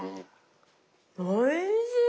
おいしい！